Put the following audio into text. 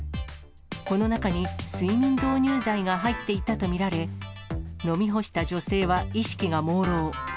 この中に睡眠導入剤が入っていたと見られ、飲み干した女性は意識がもうろう。